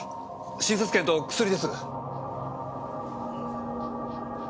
診察券と薬です。